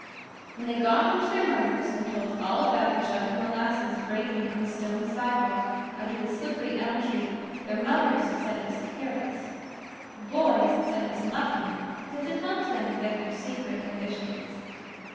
When they got home to their mothers and told all about the jug of molasses breaking on the stone sidewalk under the slippery elm tree, their mothers said it was careless. The boys said it was lucky because it helped them get their secret ambitions.